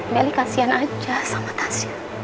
beli kasian aja sama tasya